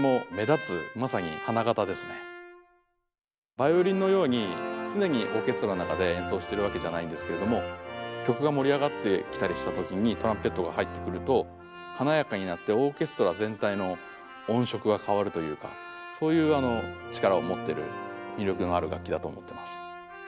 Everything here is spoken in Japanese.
ヴァイオリンのように常にオーケストラの中で演奏してるわけじゃないんですけれども曲が盛り上がってきたりした時にトランペットが入ってくるとそういう力を持ってる魅力のある楽器だと思ってます。